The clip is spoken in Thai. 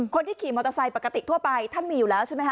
คนที่ขี่มอเตอร์ไซค์ปกติทั่วไปท่านมีอยู่แล้วใช่ไหมค